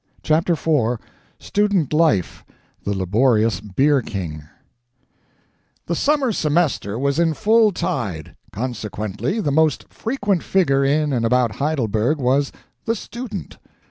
CHAPTER IV Student Life [The Laborious Beer King] The summer semester was in full tide; consequently the most frequent figure in and about Heidelberg was the student.